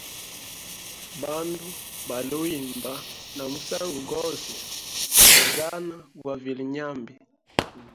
Bandu baliuyimba na musangu gose hozana gwa vilyenyambi.